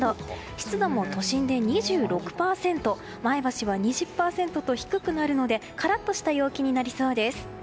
湿度も都心で２６％前橋は２０％と低くなるのでカラッとした陽気になりそうです。